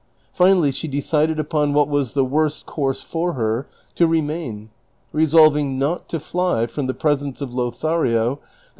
Finally she decided upon what Avas the worse course for her, to remain, resolving not to fly from the presence of Lothario, that sh